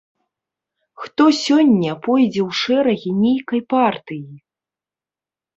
Хто сёння пойдзе ў шэрагі нейкай партыі?